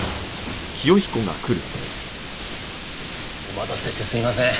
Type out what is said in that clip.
お待たせしてすいません。